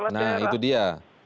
nah itu dia